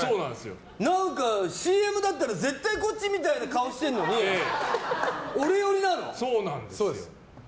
何かＣＭだったら絶対こっちみたいな顔してるのにそうなんです。